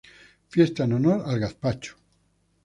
Fiesta en honor al gazpacho